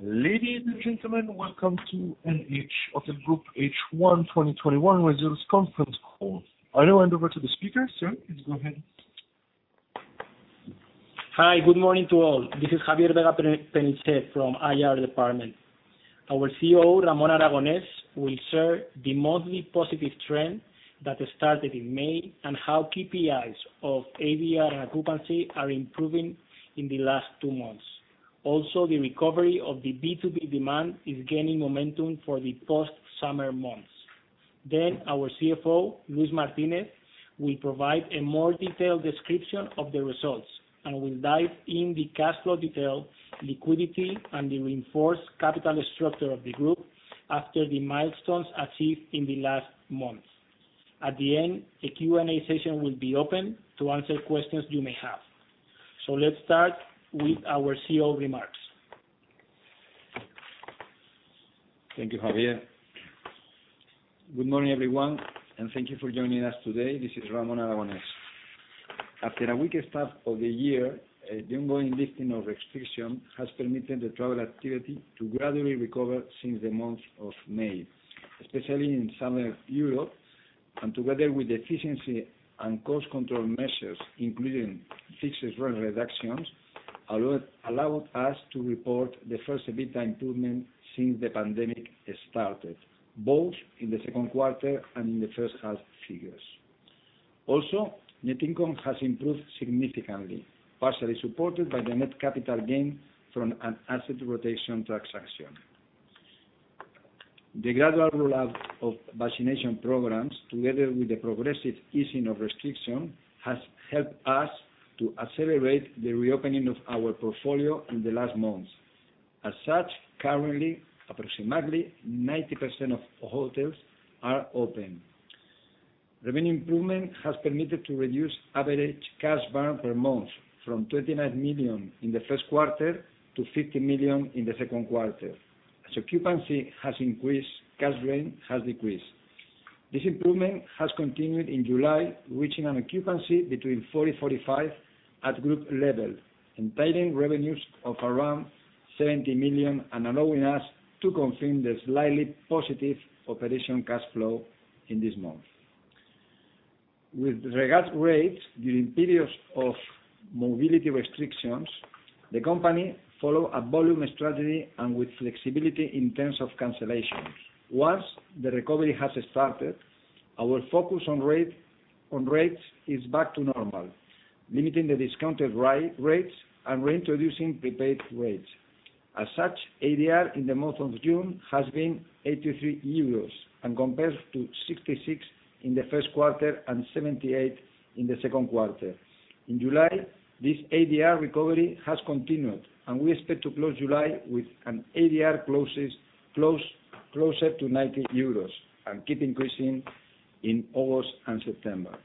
Ladies and gentlemen, welcome to NH Hotel Group H1 2021 Results Conference Call. I now hand over to the speaker. Sir, please go ahead. Hi. Good morning to all. This is Javier Vega-Penichet from IR department. Our CEO, Ramón Aragonés, will share the monthly positive trend that started in May, and how KPIs of ADR and occupancy are improving in the last two months. The recovery of the B2B demand is gaining momentum for the post-summer months. Our CFO, Luis Martínez, will provide a more detailed description of the results and will dive in the cash flow detail, liquidity, and the reinforced capital structure of the group after the milestones achieved in the last months. At the end, a Q&A session will be open to answer questions you may have. Let's start with our CEO remarks. Thank you, Javier. Good morning, everyone, and thank you for joining us today. This is Ramón Aragonés. After a weaker start of the year, the ongoing lifting of restrictions has permitted the travel activity to gradually recover since the month of May, especially in Southern Europe. Together with efficiency and cost control measures, including fixed rent reductions, allowed us to report the first EBITDA improvement since the pandemic started, both in the second quarter and in the first half figures. Net income has improved significantly, partially supported by the net capital gain from an asset rotation transaction. The gradual rollout of vaccination programs, together with the progressive easing of restrictions, has helped us to accelerate the reopening of our portfolio in the last months. Currently, approximately 90% of hotels are open. Revenue improvement has permitted to reduce average cash burn per month from 29 million in the first quarter to 50 million in the second quarter. As occupancy has increased, cash drain has decreased. This improvement has continued in July, reaching an occupancy between 40%-45% at group level, entailing revenues of around 70 million and allowing us to confirm the slightly positive operating cash flow in this month. With regards rates during periods of mobility restrictions, the company follow a volume strategy and with flexibility in terms of cancellations. Once the recovery has started, our focus on rates is back to normal, limiting the discounted rates and reintroducing prepaid rates. As such, ADR in the month of June has been 83 euros and compared to 66 in the first quarter and 78 in the second quarter. In July, this ADR recovery has continued, and we expect to close July with an ADR closer to 90 euros and keep increasing in August and September.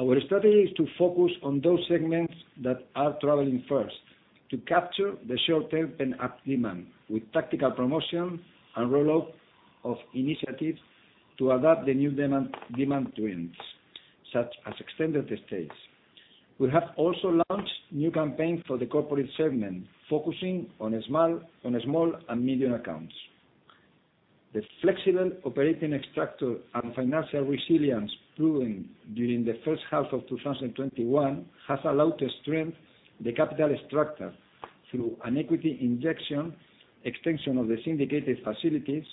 Our strategy is to focus on those segments that are traveling first to capture the short-term pent-up demand with tactical promotion and rollout of initiatives to adapt the new demand trends, such as extended stays. We have also launched new campaign for the corporate segment, focusing on small and medium accounts. The flexible operating structure and financial resilience proven during the first half of 2021 has allowed to strengthen the capital structure through an equity injection, extension of the syndicated facilities,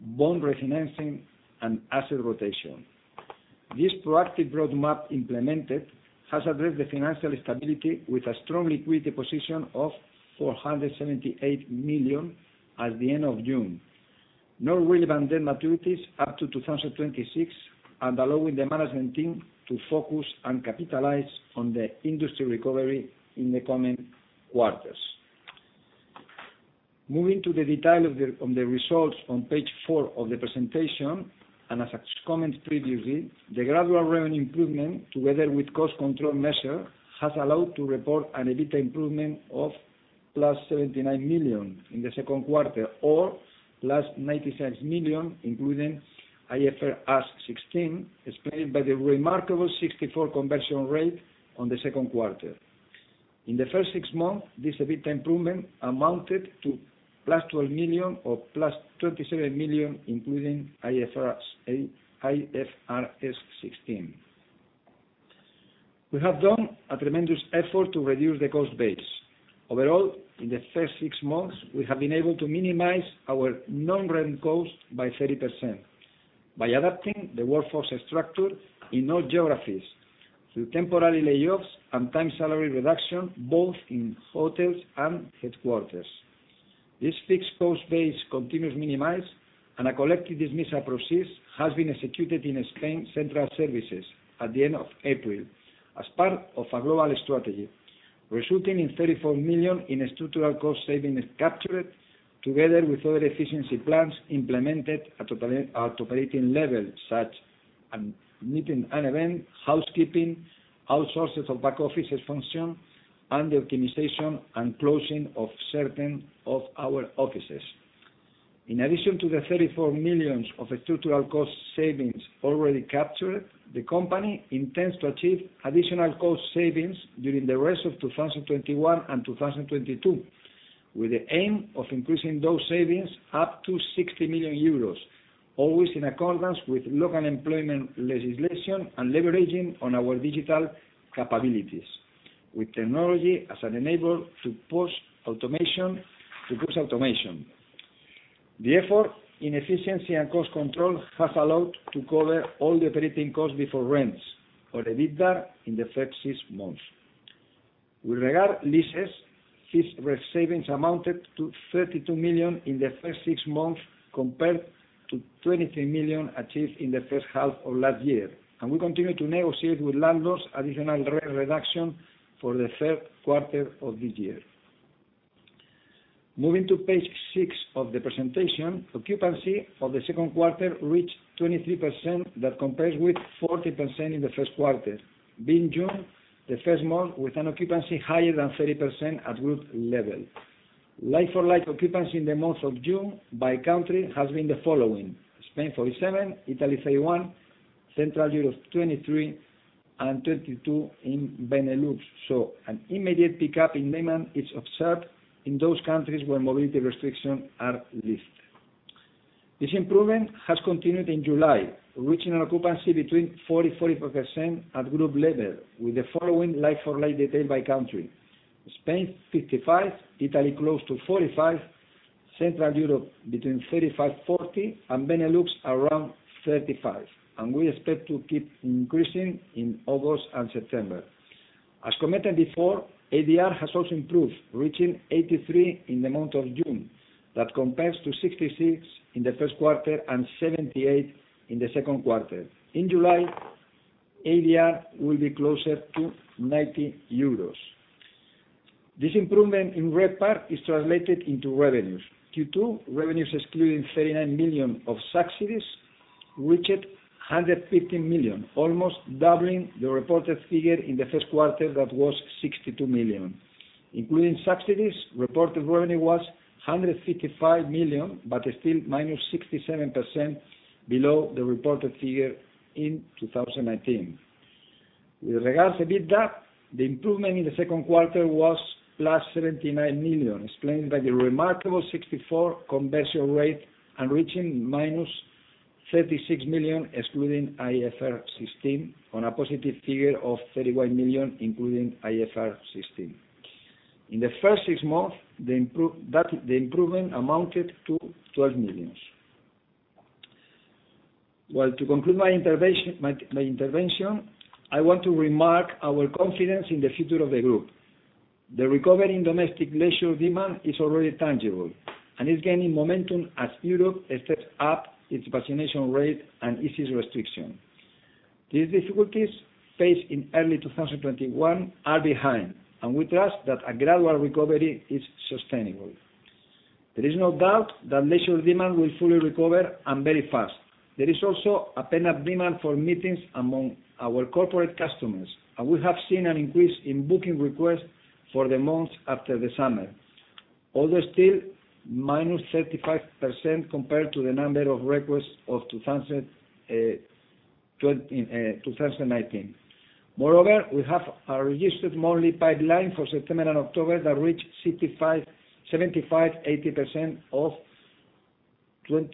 bond refinancing, and asset rotation. This proactive roadmap implemented has addressed the financial stability with a strong liquidity position of 478 million at the end of June. No relevant debt maturities up to 2026, allowing the management team to focus and capitalize on the industry recovery in the coming quarters. Moving to the detail on the results on Page 4 of the presentation, as I commented previously, the gradual revenue improvement, together with cost control measure, has allowed to report an EBITDA improvement of +79 million in the second quarter, or +96 million including IFRS 16, explained by the remarkable 64% conversion rate on the second quarter. In the first six months, this EBITDA improvement amounted to +12 million or +27 million including IFRS 16. We have done a tremendous effort to reduce the cost base. Overall, in the first six months, we have been able to minimize our non-rent costs by 30%, by adapting the workforce structure in all geographies through temporary layoffs and time salary reduction both in hotels and headquarters. This fixed cost base continues minimized, and a collective dismissal process has been executed in Spain central services at the end of April as part of a global strategy, resulting in 34 million in structural cost savings captured together with other efficiency plans implemented at operating level, such as meeting and event, housekeeping, outsources of back office function, and the optimization and closing of certain of our offices. In addition to the 34 million of structural cost savings already captured, the company intends to achieve additional cost savings during the rest of 2021 and 2022, with the aim of increasing those savings up to 60 million euros, always in accordance with local employment legislation and leveraging on our digital capabilities with technology as an enabler to boost automation. The effort in efficiency and cost control has allowed to cover all the operating costs before rents or EBITDA in the first six months. With regard leases, these savings amounted to 32 million in the first six months, compared to 23 million achieved in the first half of last year. We continue to negotiate with landlords additional rent reduction for the third quarter of this year. Moving to Page 6 of the presentation, occupancy for the second quarter reached 23%, that compares with 40% in the first quarter. Being June the first month with an occupancy higher than 30% at group level. Like-for-like occupancy in the month of June by country has been the following: Spain 47%, Italy 31%, Central Europe 23%, and 22% in Benelux. An immediate pickup in demand is observed in those countries where mobility restrictions are lifted. This improvement has continued in July, reaching an occupancy between 40%-44% at group level with the following like-for-like detail by country. Spain 55%, Italy close to 45%, Central Europe between 35%-40%, and Benelux around 35%. We expect to keep increasing in August and September. As commented before, ADR has also improved, reaching 83 in the month of June. That compares to 66 in the first quarter and 78 in the second quarter. In July, ADR will be closer to 90 euros. This improvement in RevPAR is translated into revenues. Q2 revenues excluding 39 million of subsidies reached 115 million, almost doubling the reported figure in the first quarter that was 62 million. Including subsidies, reported revenue was 155 million, still -67% below the reported figure in 2019. With regards to EBITDA, the improvement in the second quarter was +79 million, explained by the remarkable 64% conversion rate and reaching -36 million excluding IFRS 16 on a positive figure of 31 million including IFRS 16. In the first six months, the improvement amounted to 12 million. Well, to conclude my intervention, I want to remark our confidence in the future of the group. The recovery in domestic leisure demand is already tangible and is gaining momentum as Europe steps up its vaccination rate and eases restriction. These difficulties faced in early 2021 are behind, and we trust that a gradual recovery is sustainable. There is no doubt that leisure demand will fully recover and very fast. There is also a pent-up demand for meetings among our corporate customers, and we have seen an increase in booking requests for the months after the summer. Although still -35% compared to the number of requests of 2019. Moreover, we have a registered monthly pipeline for September and October that reach 75%-80% of 2019 levels. This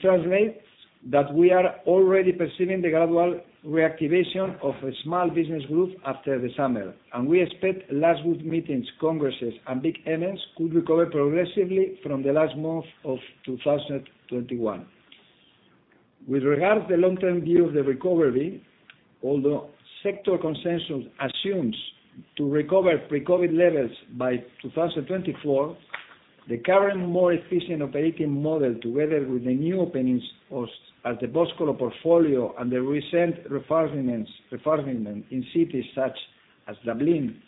translates that we are already perceiving the gradual reactivation of a small business group after the summer, and we expect large group meetings, congresses, and big events could recover progressively from the last month of 2021. With regards the long-term view of the recovery, although sector consensus assumes to recover pre-COVID levels by 2024, the current more efficient operating model, together with the new openings at the Boscolo portfolio and the recent refurbishment in cities such as Dublin,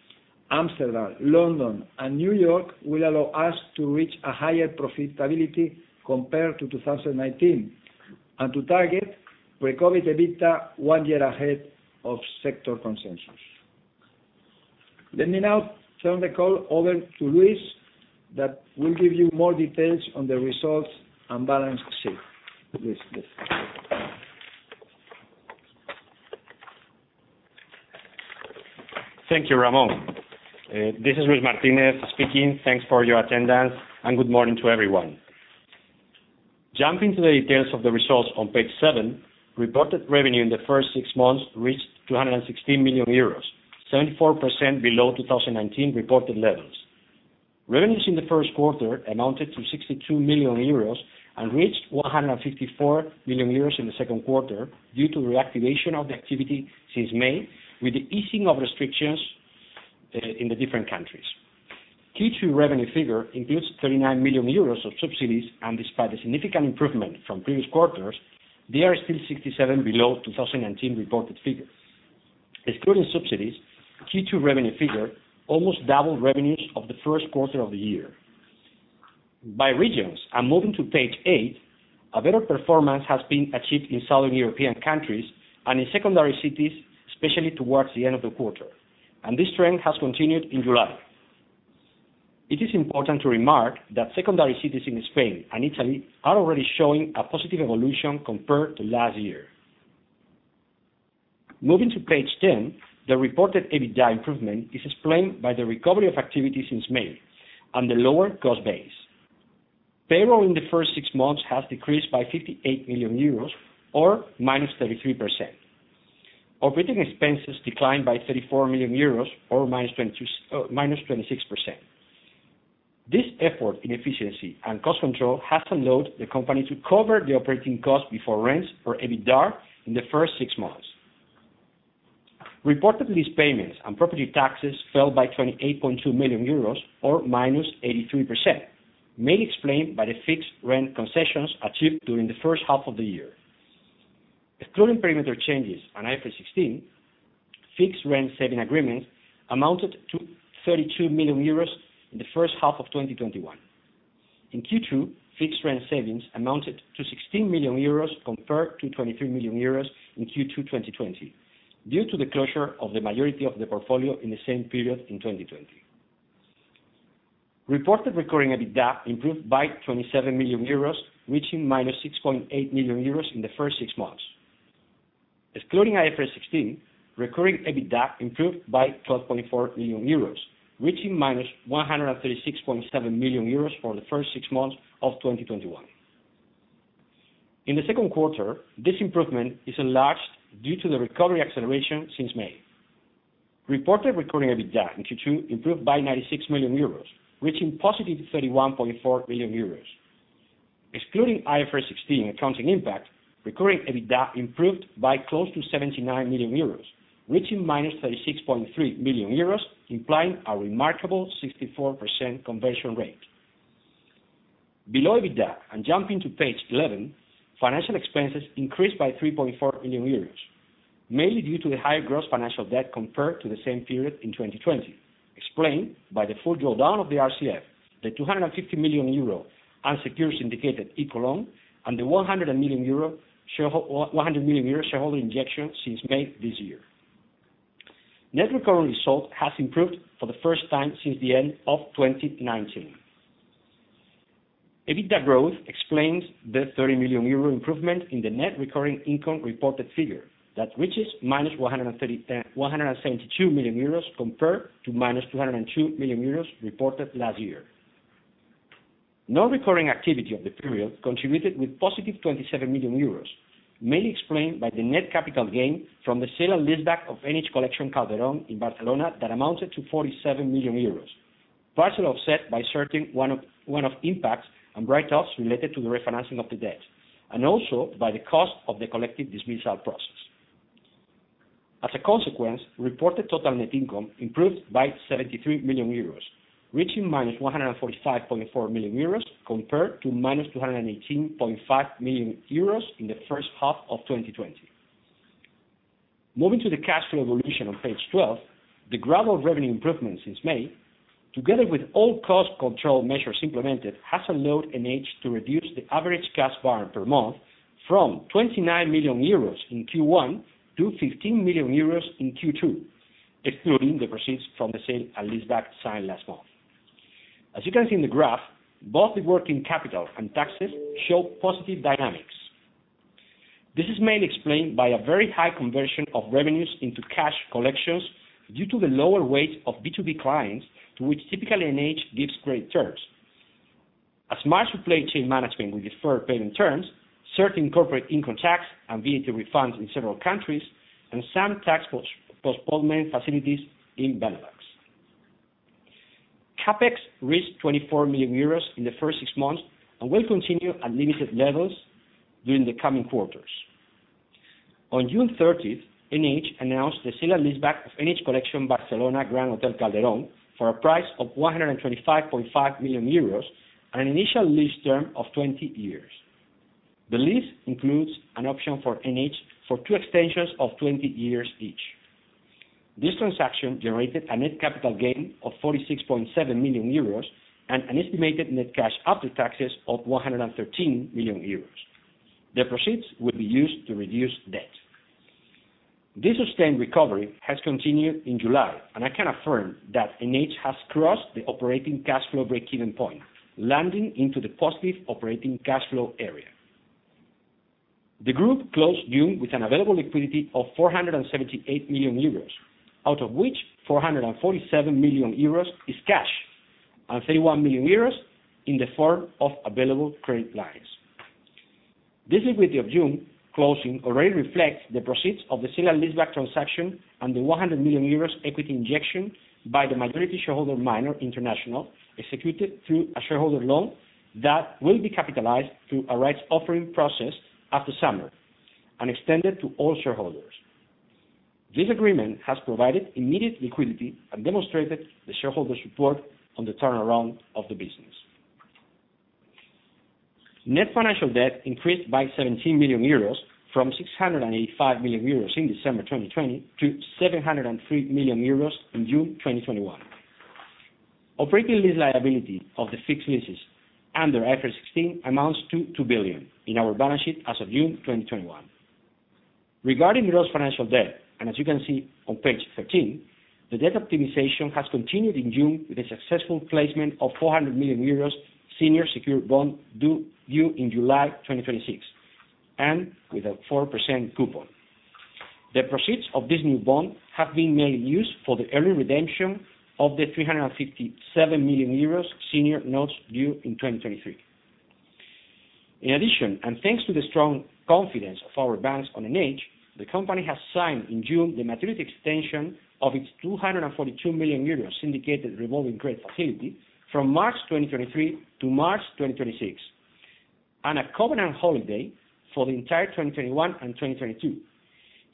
Amsterdam, London, and New York, will allow us to reach a higher profitability compared to 2019, and to target pre-COVID EBITDA one year ahead of sector consensus. Let me now turn the call over to Luis, that will give you more details on the results and balance sheet. Luis, please. Thank you, Ramón. This is Luis Martínez speaking. Thanks for your attendance and good morning to everyone. Jumping to the details of the results on Page 7, reported revenue in the first six months reached 216 million euros, 74% below 2019 reported levels. Revenues in the first quarter amounted to 62 million euros and reached 154 million euros in the second quarter due to reactivation of the activity since May with the easing of restrictions in the different countries. Q2 revenue figure includes 39 million euros of subsidies, and despite a significant improvement from previous quarters, they are still 67% below 2019 reported figures. Excluding subsidies, Q2 revenue figure almost doubled revenues of the first quarter of the year. By regions, and moving to Page 8, a better performance has been achieved in southern European countries and in secondary cities, especially towards the end of the quarter. This trend has continued in July. It is important to remark that secondary cities in Spain and Italy are already showing a positive evolution compared to last year. Moving to page 10, the reported EBITDA improvement is explained by the recovery of activities in Spain and the lower cost base. Payroll in the first six months has decreased by 58 million euros, or -33%. Operating expenses declined by 34 million euros, or -26%. This effort in efficiency and cost control has allowed the company to cover the operating cost before rents or EBITDA in the first six months. Reported lease payments and property taxes fell by 28.2 million euros, or -83%, mainly explained by the fixed rent concessions achieved during the first half of the year. Excluding perimeter changes and IFRS 16, fixed rent saving agreements amounted to 32 million euros in the first half of 2021. In Q2, fixed rent savings amounted to 16 million euros compared to 23 million euros in Q2 2020 due to the closure of the majority of the portfolio in the same period in 2020. Reported recurring EBITDA improved by 27 million euros, reaching -6.8 million euros in the first six months. Excluding IFRS 16, recurring EBITDA improved by 12.4 million euros, reaching -136.7 million euros for the first six months of 2021. In the second quarter, this improvement is enlarged due to the recovery acceleration since May. Reported recurring EBITDA in Q2 improved by 96 million euros, reaching +31.4 million euros. Excluding IFRS 16 accounting impact, recurring EBITDA improved by close to 79 million euros, reaching -36.3 million euros, implying a remarkable 64% conversion rate. Below EBITDA, jumping to page 11, financial expenses increased by 3.4 million euros, mainly due to the higher gross financial debt compared to the same period in 2020, explained by the full drawdown of the RCF, the 250 million euro unsecured syndicated loan, and the 100 million euro shareholder injection since May this year. Net recurring resulthas improved for the first time since the end of 2019. EBITDA growth explains the 30 million euro improvement in the net recurring income reported figure. That reaches -172 million euros compared to -202 million euros reported last year. Non-recurring activity of the period contributed with +27 million euros, mainly explained by the net capital gain from the sale and leaseback of NH Collection Calderón in Barcelona that amounted to 47 million euros, partially offset by certain one-off impacts and write-offs related to the refinancing of the debt, and also by the cost of the collective dismissal process. As a consequence, reported total net income improved by 73 million euros, reaching -145.4 million euros compared to -218.5 million euros in the first half of 2020. Moving to the cash flow evolution on page 12, the gradual revenue improvement since May, together with all cost control measures implemented, has allowed NH to reduce the average cash burn per month from 29 million euros in Q1 to 15 million euros in Q2, excluding the proceeds from the sale and leaseback signed last month. As you can see in the graph, both the working capital and taxes show positive dynamics. This is mainly explained by a very high conversion of revenues into cash collections due to the lower weight of B2B clients to which typically NH gives great terms. A smart supply chain management with deferred payment terms, certain corporate income tax and VAT refunds in several countries, and some tax postponement facilities in Benelux. CapEx reached 24 million euros in the first six months and will continue at limited levels during the coming quarters. On June 30th, NH announced the sale and leaseback of NH Collection Barcelona Gran Hotel Calderón for a price of 125.5 million euros and an initial lease term of 20 years. The lease includes an option for NH for two extensions of 20 years each. This transaction generated a net capital gain of 46.7 million euros and an estimated net cash after taxes of 113 million euros. The proceeds will be used to reduce debt. This sustained recovery has continued in July, I can affirm that NH has crossed the operating cash flow breakeven point, landing into the positive operating cash flow area. The group closed June with an available liquidity of 478 million euros, out of which 447 million euros is cash and 31 million euros in the form of available credit lines. This liquidity of June closing already reflects the proceeds of the sale and leaseback transaction and the 100 million euros equity injection by the majority shareholder, Minor International, executed through a shareholder loan that will be capitalized through a rights offering process after summer and extended to all shareholders. This agreement has provided immediate liquidity and demonstrated the shareholders' support on the turnaround of the business. Net financial debt increased by 17 million euros from 685 million euros in December 2020 to 703 million euros in June 2021. Operating lease liability of the fixed leases under IFRS 16 amounts to 2 billion in our balance sheet as of June 2021. Regarding gross financial debt, and as you can see on page 13, the debt optimization has continued in June with the successful placement of 400 million euros senior secured bond due in July 2026, and with a 4% coupon. The proceeds of this new bond have been mainly used for the early redemption of the 357 million euros senior notes due in 2023. In addition, thanks to the strong confidence of our banks on NH, the company has signed in June the maturity extension of its 242 million euros syndicated revolving credit facility from March 2023 to March 2026. A covenant holiday for the entire 2021 and 2022,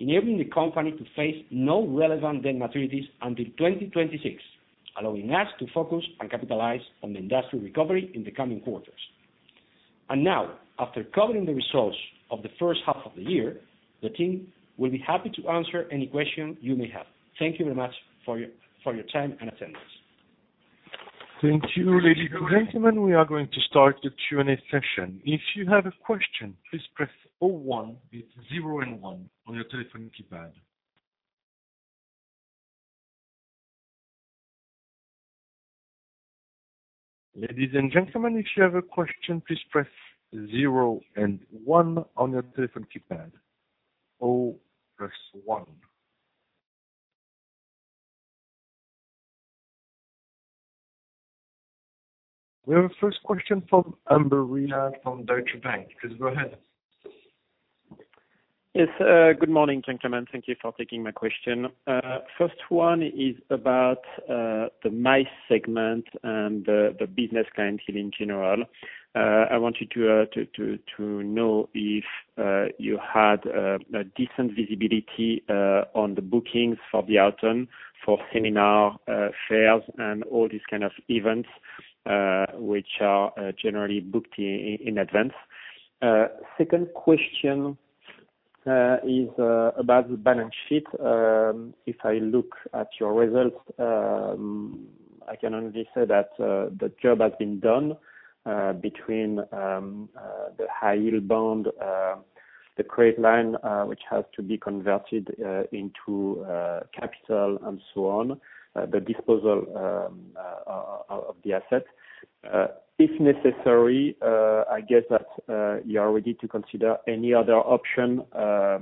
enabling the company to face no relevant debt maturities until 2026, allowing us to focus and capitalize on the industrial recovery in the coming quarters. Now, after covering the results of the first half of the year, the team will be happy to answer any question you may have. Thank you very much for your time and attendance. Thank you. Ladies and gentlemen, we are going to start the Q&A session. If you have a question, please press zero one with zero and one on your telephone keypad. Ladies and gentlemen, if you have a question, please press zero and one on your telephone keypad. Zero plus one. We have our first question from Andre Juillard from Deutsche Bank. Please go ahead. Yes. Good morning, gentlemen. Thank you for taking my question. First one is about the MICE segment and the business clientele in general. I wanted to know if you had a decent visibility on the bookings for the autumn, for seminar fairs and all these kind of events, which are generally booked in advance. Second question is about the balance sheet. If I look at your results, I can only say that the job has been done between the high yield bond, the credit line, which has to be converted into capital and so on, the disposal of the asset. If necessary, I guess that you are ready to consider any other option. I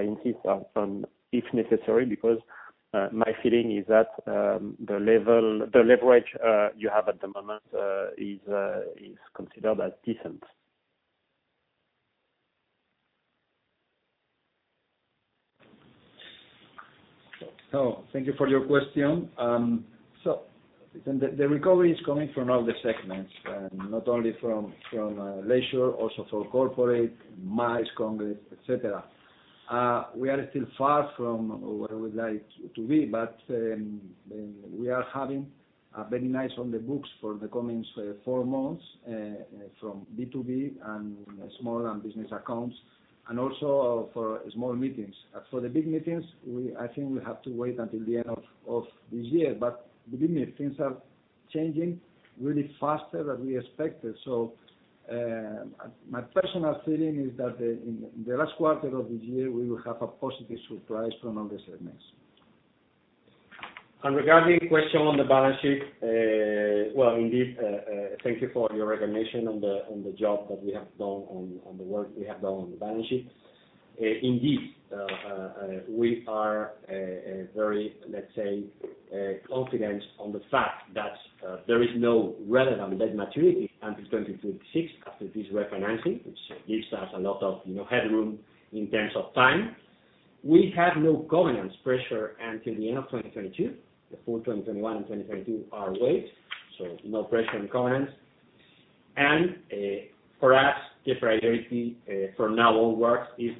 insist on if necessary because my feeling is that the leverage you have at the moment is considered as decent. Thank you for your question. The recovery is coming from all the segments, not only from leisure, also from corporate, MICE, congress, etc. We are still far from where we would like to be, but we are having a very nice on the books for the coming four months, from B2B and small business accounts, and also for small meetings. For the big meetings, I think we have to wait until the end of this year. Believe me, things are changing really faster than we expected. My personal feeling is that in the last quarter of this year, we will have a positive surprise from all the segments. Regarding question on the balance sheet, well, indeed, thank you for your recognition on the job that we have done, on the work we have done on the balance sheet. Indeed, we are very, let's say, confident on the fact that there is no relevant debt maturity until 2026 after this refinancing, which gives us a lot of headroom in terms of time. We have no governance pressure until the end of 2022. The full 2021 and 2022 are waived, no pressure on governance. For us, the priority for now onwards is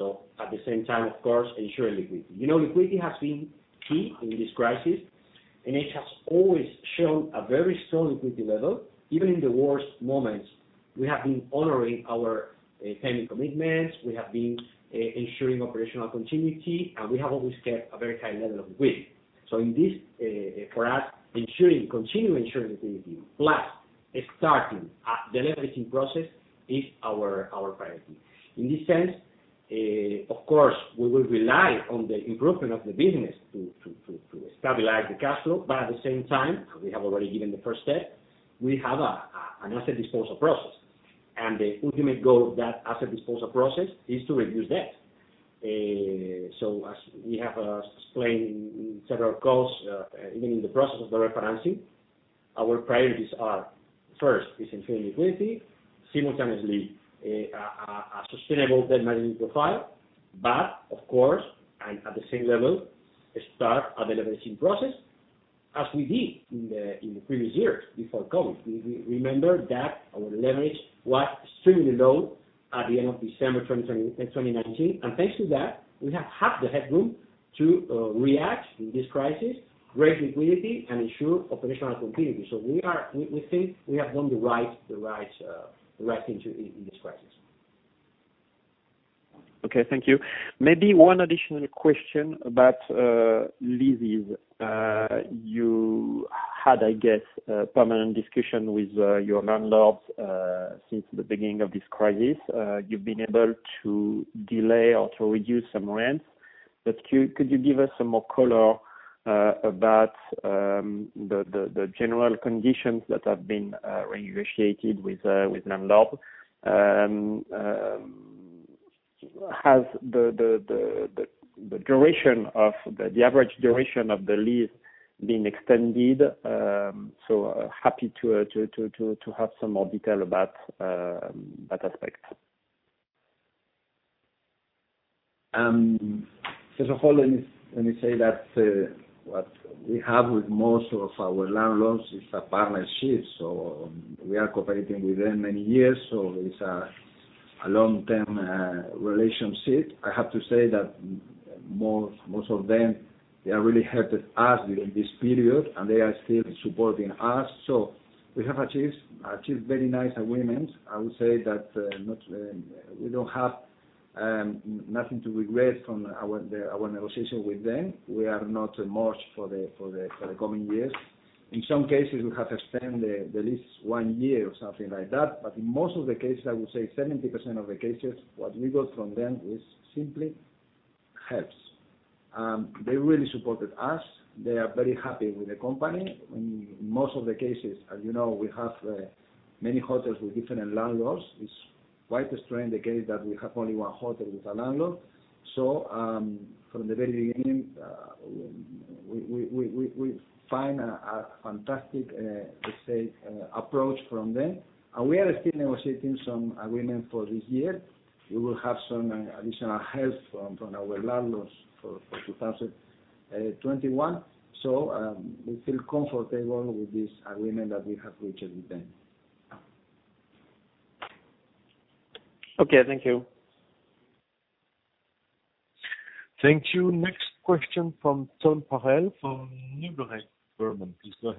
deleveraging. At the same time, of course, ensuring liquidity. Liquidity has been key in this crisis, and it has always shown a very strong liquidity level. Even in the worst moments, we have been honoring our payment commitments, we have been ensuring operational continuity, and we have always kept a very high level of liquidity. Indeed, for us, continuing ensuring liquidity plus starting a deleveraging process is our priority. In this sense, of course, we will rely on the improvement of the business to stabilize the cash flow. At the same time, we have already given the first step. We have an asset disposal process, and the ultimate goal of that asset disposal process is to reduce debt. As we have explained in several calls, even in the process of the refinancing, our priorities are, first, is ensuring liquidity, simultaneously, a sustainable debt management profile. Of course, and at the same level, start a deleveraging process as we did in the previous years before COVID. Remember that our leverage was extremely low. At the end of December 2019. Thanks to that, we have half the headroom to react in this crisis, raise liquidity, and ensure operational continuity. We think we have done the right thing in this crisis. Okay, thank you. Maybe one additional question about leases. You had, I guess, a permanent discussion with your landlords since the beginning of this crisis. You've been able to delay or to reduce some rents. Could you give us some more color about the general conditions that have been renegotiated with landlord? Has the average duration of the lease been extended? Happy to have some more detail about that aspect. First of all, let me say that what we have with most of our landlords is a partnership, so we are cooperating with them many years. It is a long-term relationship. I have to say that most of them, they really helped us during this period, and they are still supporting us. We have achieved very nice agreements. I would say that we don't have nothing to regret from our negotiation with them. We are not merged for the coming years. In some cases, we have extended the lease one year or something like that. In most of the cases, I would say 70% of the cases, what we got from them is simply helps. They really supported us. They are very happy with the company. In most of the cases, as you know, we have many hotels with different landlords. It's quite a strange case that we have only one hotel with a landlord. From the very beginning, we find a fantastic, let's say, approach from them. We are still negotiating some agreement for this year. We will have some additional help from our landlords for 2021. We feel comfortable with this agreement that we have reached with them. Okay. Thank you. Thank you. Next question from [Tom Parel from New Street Research. Berman] please go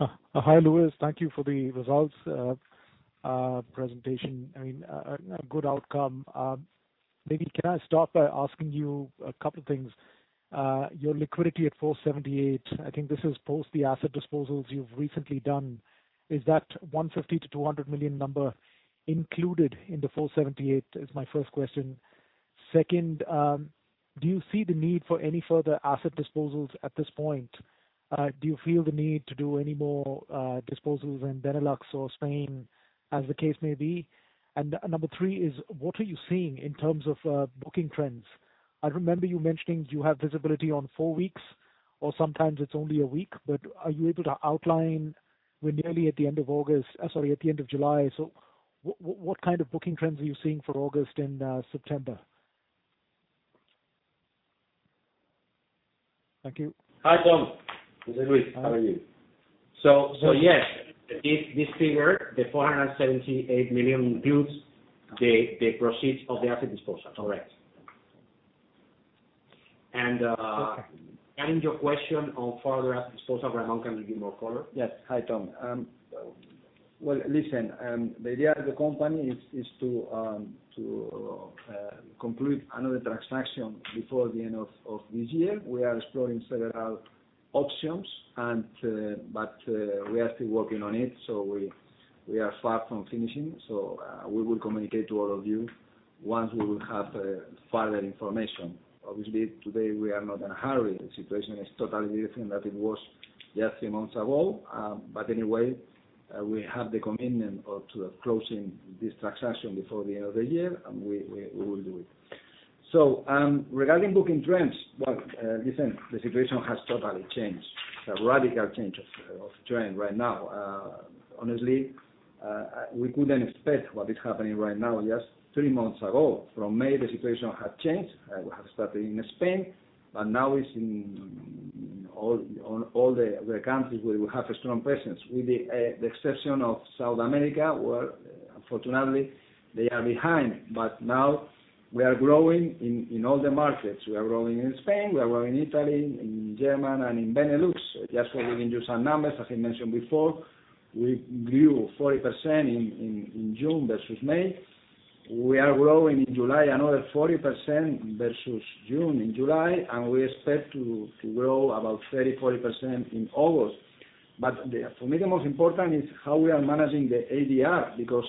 ahead. Hi, Luis. Thank you for the results presentation. I mean, a good outcome. Maybe can I start by asking you a couple things? Your liquidity at 478 million, I think this is post the asset disposals you've recently done. Is that 150 million-200 million number included in the 478 million, is my first question. Second, do you see the need for any further asset disposals at this point? Do you feel the need to do any more disposals in Benelux or Spain as the case may be? Number three is, what are you seeing in terms of booking trends? I remember you mentioning you have visibility on four weeks, or sometimes it's only a week, but are you able to outline, we're nearly at the end of August, sorry, at the end of July, so what kind of booking trends are you seeing for August and September? Thank you. Hi, Tom. This is Luis. How are you? Yes, this figure, the 478 million, includes the proceeds of the asset disposals. Correct. Okay. Your question on further disposal, Ramón, can you give more color? Yes. Hi, Tom. Listen, the idea of the company is to conclude another transaction before the end of this year. We are exploring several options. We are still working on it. We are far from finishing. We will communicate to all of you once we will have further information. Obviously, today, we are not in a hurry. The situation is totally different than it was just three months ago. Anyway, we have the commitment to closing this transaction before the end of the year, and we will do it. Regarding booking trends, listen, the situation has totally changed. A radical change of trend right now. Honestly, we couldn't expect what is happening right now just three months ago. From May, the situation had changed. We have started in Spain, but now it's in all the countries where we have a strong presence, with the exception of South America, where fortunately they are behind. Now we are growing in all the markets. We are growing in Spain, we are growing in Italy, in Germany, and in Benelux. Just to give you some numbers, as I mentioned before, we grew 40% in June versus May. We are growing in July another 40% versus June in July, and we expect to grow about 30%, 40% in August. For me, the most important is how we are managing the ADR because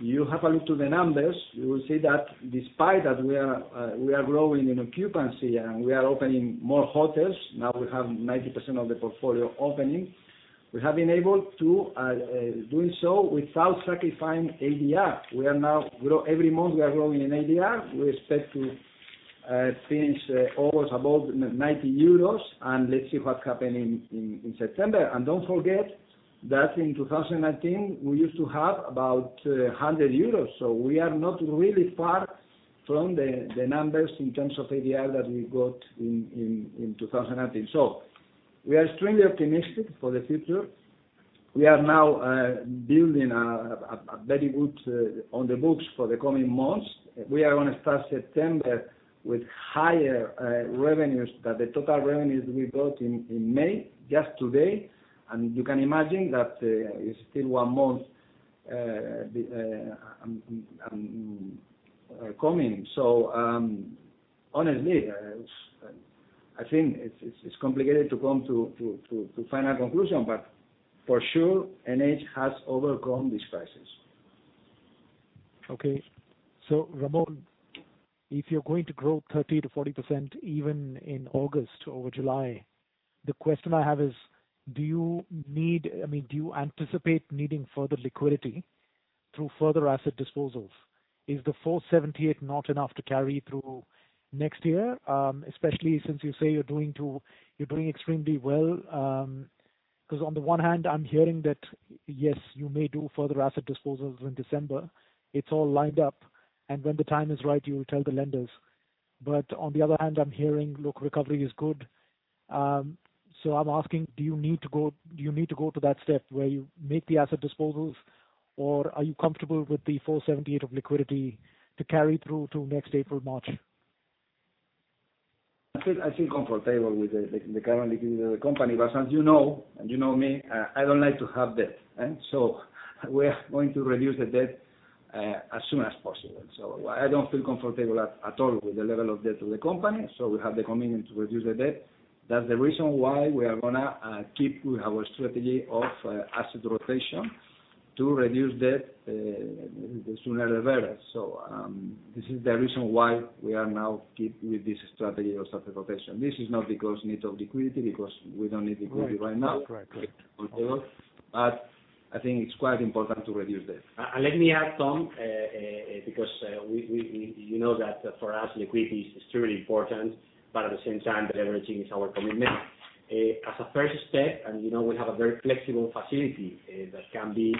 you have a look to the numbers, you will see that despite that we are growing in occupancy and we are opening more hotels. Now we have 90% of the portfolio opening. We have been able to doing so without sacrificing ADR. Every month we are growing in ADR. We expect to finish August above 90 euros, let's see what happen in September. Don't forget that in 2019, we used to have about 100 euros. We are not really far from the numbers in terms of ADR that we got in 2019. We are extremely optimistic for the future. We are now building a very good on the books for the coming months. We are going to start September with higher revenues than the total revenues we got in May, just today. You can imagine that it's still one month coming. Honestly, I think it's complicated to come to final conclusion, but for sure NH has overcome this crisis. Okay. Ramón, if you're going to grow 30%-40% even in August over July, the question I have is, do you anticipate needing further liquidity through further asset disposals? Is the 478 million not enough to carry through next year? Especially since you say you're doing extremely well. On the one hand, I'm hearing that, yes, you may do further asset disposals in December. It's all lined up, and when the time is right, you will tell the lenders. On the other hand, I'm hearing recovery is good. I'm asking, do you need to go to that step where you make the asset disposals, or are you comfortable with the 478 million of liquidity to carry through to next April, March? I feel comfortable with the current liquidity of the company. As you know, and you know me, I don't like to have debt. We are going to reduce the debt as soon as possible. I don't feel comfortable at all with the level of debt to the company, so we have the commitment to reduce the debt. That's the reason why we are going to keep with our strategy of asset rotation to reduce debt, the sooner the better. This is the reason why we are now keep with this strategy of asset rotation. This is not because need of liquidity, because we don't need liquidity right now. Right. I think it's quite important to reduce debt. Let me add, Tom, because you know that for us liquidity is extremely important, but at the same time, deleveraging is our commitment. As a first step, you know we have a very flexible facility that can be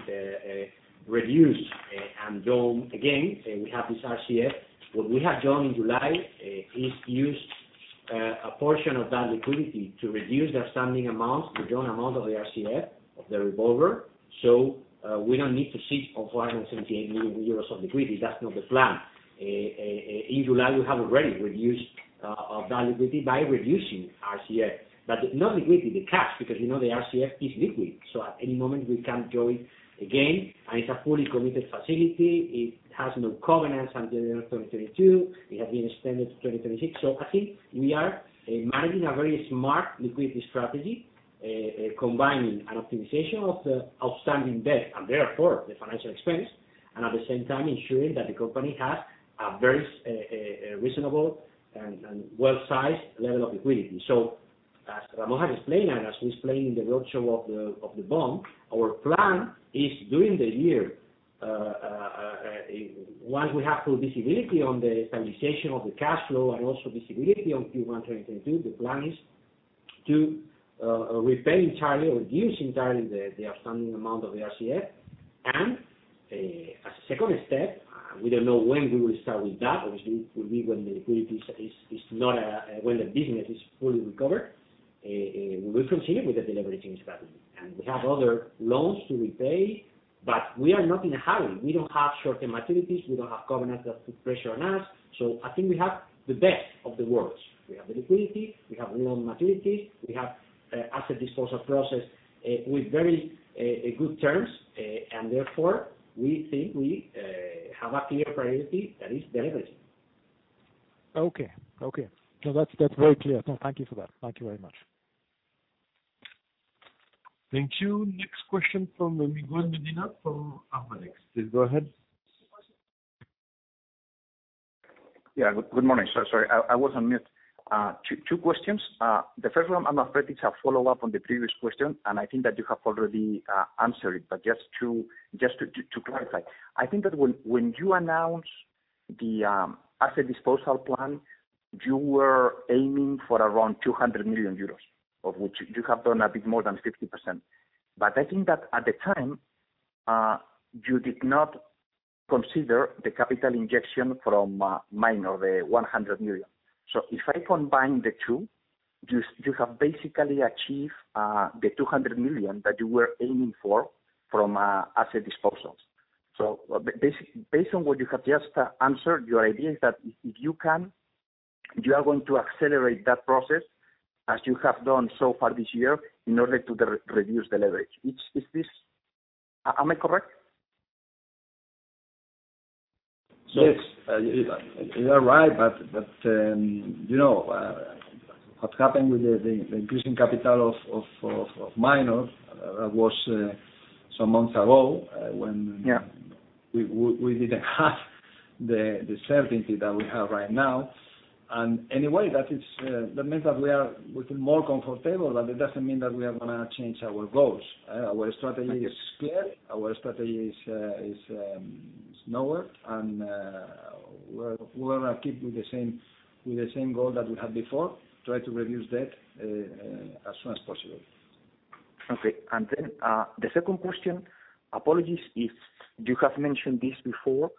reduced and drawn again. We have this RCF. What we have done in July is used a portion of that liquidity to reduce the outstanding amounts, the drawn amount of the RCF, of the revolver. We don't need to sit on 478 million euros of liquidity. That's not the plan. In July, we have already reduced that liquidity by reducing RCF. Not liquidity, the cash, because you know the RCF is liquid, so at any moment we can draw it again. It's a fully committed facility. It has no covenants until the end of 2022. It has been extended to 2026. I think we are managing a very smart liquidity strategy, combining an optimization of the outstanding debt, and therefore the financial expense. At the same time ensuring that the company has a very reasonable and well-sized level of liquidity. As Ramón has explained, and as we explained in the roadshow of the bond, our plan is during the year, once we have full visibility on the stabilization of the cash flow and also visibility on Q1 2022, the plan is to repay entirely or reduce entirely the outstanding amount of the RCF. As a second step, we don't know when we will start with that. Obviously, it will be when the business is fully recovered. We will continue with the deleveraging strategy. We have other loans to repay, but we are not in a hurry. We don't have short-term maturities. We don't have covenants that put pressure on us. I think we have the best of the world. We have the liquidity, we have long maturity, we have asset disposal process, with very good terms. Therefore, we think we have a clear priority, that is deleveraging. Okay. No, that's very clear. No, thank you for that. Thank you very much. Thank you. Next question from Miguel Medina from ArmanexT. Please go ahead. Yeah, good morning. Sorry, I was on mute. Two questions. The first one, I'm afraid, is a follow-up on the previous question, and I think that you have already answered it. Just to clarify. I think that when you announce the asset disposal plan, you were aiming for around 200 million euros, of which you have done a bit more than 50%. I think that at the time, you did not consider the capital injection from Minor, the 100 million. If I combine the two, you have basically achieved the 200 million that you were aiming for from asset disposals. Based on what you have just answered, your idea is that if you can, you are going to accelerate that process, as you have done so far this year, in order to reduce the leverage. Am I correct? Yes. You are right. What happened with the increasing capital of Minor, that was some months ago. Yeah. We didn't have the certainty that we have right now. Anyway, that means that we feel more comfortable. That it doesn't mean that we are going to change our goals. Our strategy is clear, our strategy is known, and we are going to keep with the same goal that we had before, try to reduce debt as soon as possible. Okay. The second question, apologies if you have mentioned this before.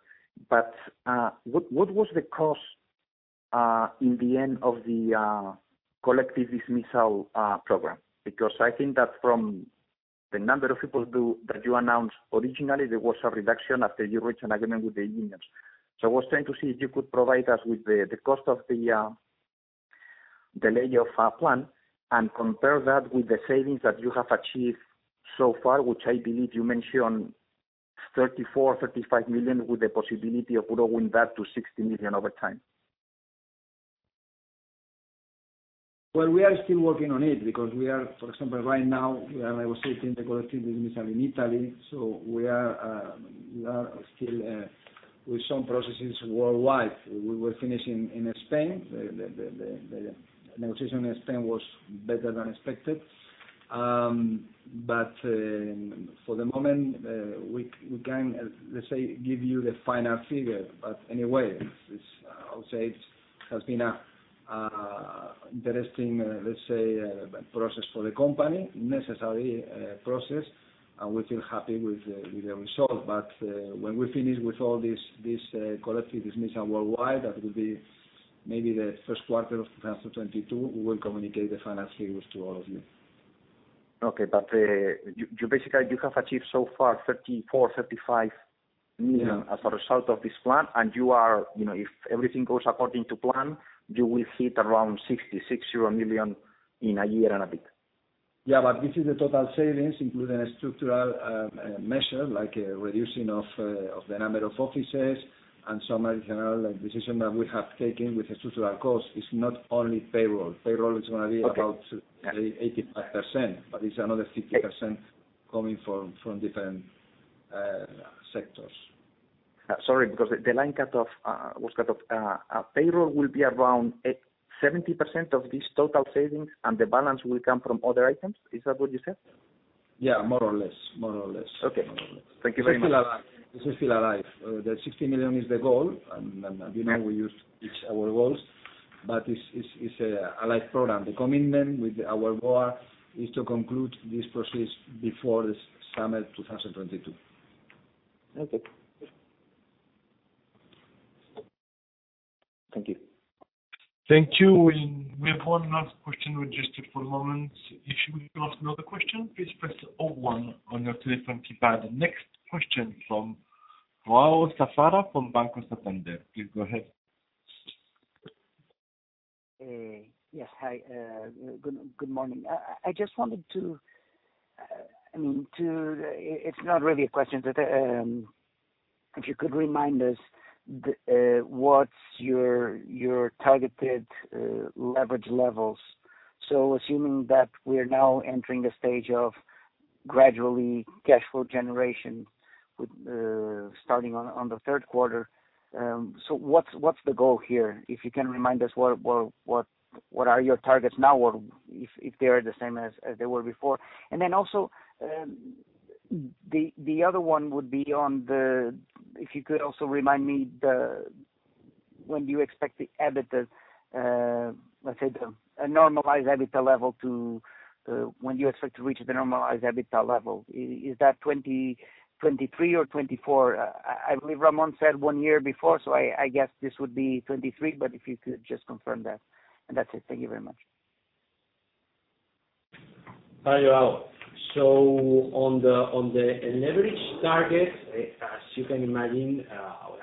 What was the cost in the end of the collective dismissal program? I think that from the number of people that you announced originally, there was a reduction after you reached an agreement with the unions. I was trying to see if you could provide us with the cost of the lay off plan and compare that with the savings that you have achieved so far, which I believe you mentioned 34 million, 35 million with the possibility of growing that to 60 million over time. Well, we are still working on it because we are, for example, right now, like I was saying, the collective dismissal in Italy. We are still with some processes worldwide. We were finishing in Spain. The negotiation in Spain was better than expected. For the moment, we can't, let's say, give you the final figure. Anyway, I would say it has been an interesting process for the company, necessary process, and we're still happy with the result. When we finish with all this collective dismissal worldwide, that will be maybe the first quarter of 2022, we will communicate the final figures to all of you. Okay. You basically have achieved so far 34 million, 35 million as a result of this plan, and if everything goes according to plan, you will hit around 66 million euro in a year and a bit. Yeah, this is the total savings, including a structural measure, like reducing of the number of offices and some additional decision that we have taken with a structural cost. It's not only payroll. Payroll is going to be about 85%, but it's another 15% coming from different sectors. Sorry, because the line was cut off. Payroll will be around 70% of these total savings, and the balance will come from other items. Is that what you said? Yeah, more or less. Okay. Thank you very much. This is still alive. The 60 million is the goal, and you know we use our goals, but it's a live program. The commitment with our board is to conclude this process before the summer of 2022. Okay. Thank you. Thank you. We have one last question registered for the moment. If you wish to ask another question please press zero one on your telephone keypad. Next question from João Safara from Banco Santander. Please go ahead. Yes. Hi, good morning. It's not really a question, but if you could remind us what's your targeted leverage levels. Assuming that we're now entering the stage of gradually cash flow generation starting on the third quarter. What's the goal here? If you can remind us what are your targets now, or if they are the same as they were before. The other one would be if you could also remind me when do you expect the EBITDA, let's say, a normalized EBITDA level. When do you expect to reach the normalized EBITDA level? Is that 2023 or 2024? I believe Ramón said one year before, I guess this would be 2023, but if you could just confirm that. That's it. Thank you very much. Hi, João. On the leverage target, as you can imagine,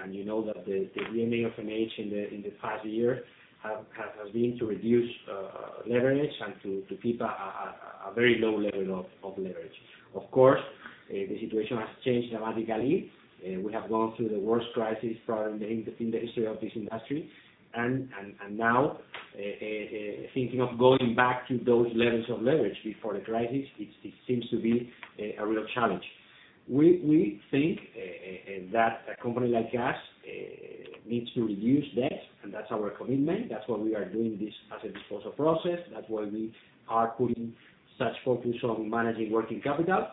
and you know that the DNA of NH in the past year has been to reduce leverage and to keep a very low level of leverage. Of course, the situation has changed dramatically. We have gone through the worst crisis probably in the history of this industry, and now thinking of going back to those levels of leverage before the crisis, it seems to be a real challenge. We think that a company like us needs to reduce debt, and that's our commitment. That's why we are doing this as a disposal process. That's why we are putting such focus on managing working capital.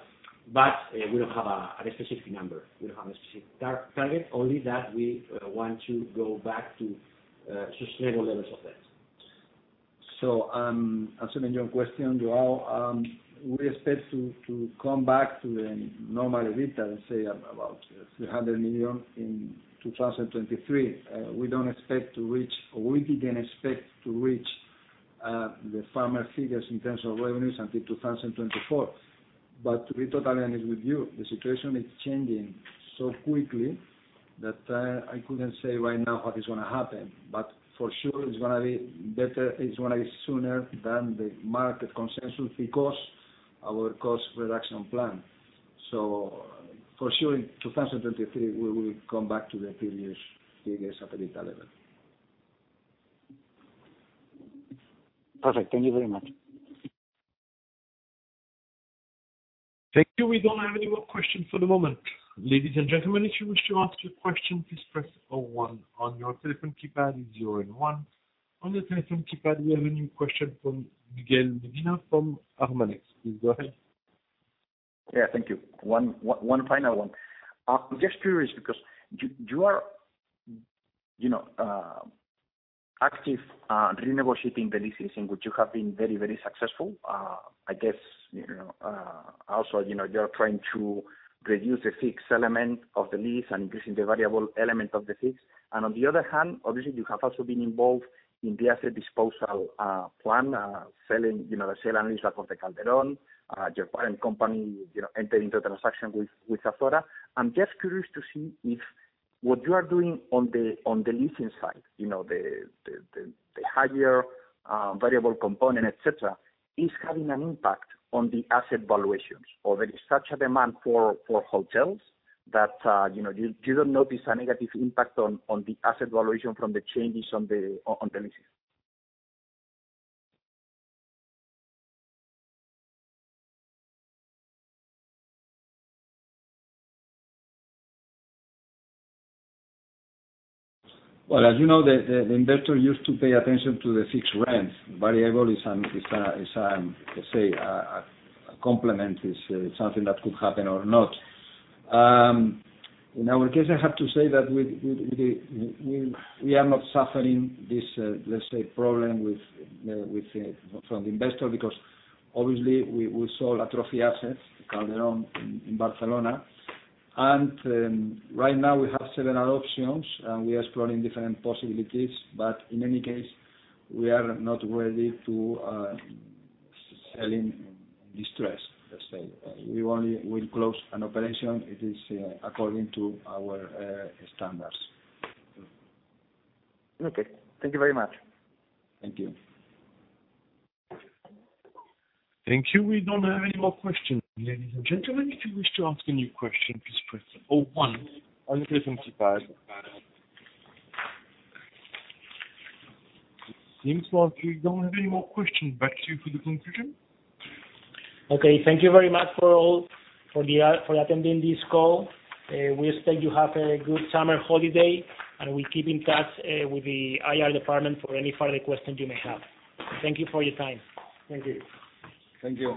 We don't have a specific number. We don't have a specific target, only that we want to go back to sustainable levels of debt. Answering your question, João, we expect to come back to a normal EBITDA, let's say, about 300 million in 2023. We didn't expect to reach the former figures in terms of revenues until 2024. To be totally honest with you, the situation is changing so quickly that I couldn't say right now what is going to happen. For sure it's going to be sooner than the market consensus because our cost reduction plan. For sure in 2023, we will come back to the previous figures at EBITDA level. Perfect. Thank you very much. Thank you. We don't have any more questions for the moment. Ladies and gentlemen, if you wish to ask your question, please press zero one on your telephone keypad. Zero and one on your telephone keypad. We have a new question from Miguel Medina from ArmanexT. Please go ahead. Yeah. Thank you. One final one. I'm just curious because you are active renegotiating the leases in which you have been very successful. Also, you're trying to reduce the fixed element of the lease and increasing the variable element of the fixed. On the other hand, obviously, you have also been involved in the asset disposal plan, the sale and leaseback of the Calderón, your parent company entering into a transaction with Azora. I'm just curious to see if what you are doing on the leasing side, the higher variable component, etc, is having an impact on the asset valuations. There is such a demand for hotels that you don't notice a negative impact on the asset valuation from the changes on the leases? Well, as you know, the investor used to pay attention to the fixed rent. Variable is, let's say, a complement, is something that could happen or not. In our case, I have to say that we are not suffering this, let's say, problem from the investor, because obviously we sold trophy assets, Calderón in Barcelona. Right now we have several options, and we are exploring different possibilities, but in any case, we are not ready to sell in distress, let's say. We only will close an operation if it is according to our standards. Okay. Thank you very much. Thank you. Thank you. We don't have any more questions, ladies and gentlemen. If you wish to ask a new question, please press zero one on your telephone keypad. It seems like we don't have any more questions. Back to you for the conclusion. Okay. Thank you very much for attending this call. We expect you have a good summer holiday, and keep in touch with the IR department for any further questions you may have. Thank you for your time. Thank you. Thank you.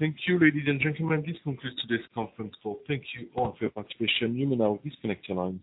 Thank you, ladies and gentlemen. This concludes today's conference call. Thank you all for your participation. You may now disconnect your lines.